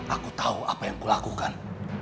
aku tahu apa yang kulakukan